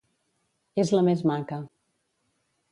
És la més maca.